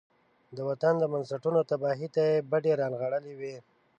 د وطن د بنسټونو تباهۍ ته يې بډې را نغاړلې وي.